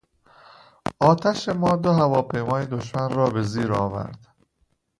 آتش ما دو هواپیمای دشمن را به زیر آورد.